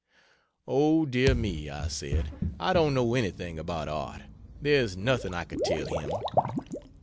"O, dear me," I said, "I don't know anything about art there's nothing I could tell him."